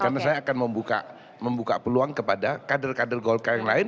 karena saya akan membuka peluang kepada kader kader golkar yang lain